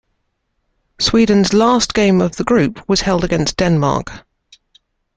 Sweden's last game of the group was held against Denmark.